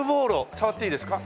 触っていいですか？